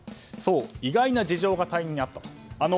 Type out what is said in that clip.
意外な事情が退任にあったと。